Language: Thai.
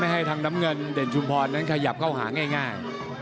ให้ทางน้ำเงินเด่นชุมพรนั้นขยับเข้าหาง่าย